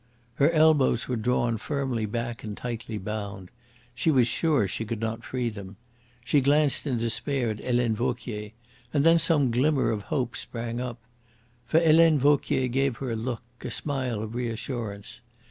Her elbows were drawn firmly back and tightly bound. She was sure she could not free them. She glanced in despair at Helene Vauquier, and then some glimmer of hope sprang up. For Helene Vauquier gave her a look, a smile of reassurance.